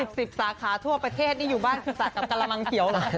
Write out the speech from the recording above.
เป็นสิบสาขาทั่วประเทศนี่อยู่บ้านสระกับกะละมังเฉียว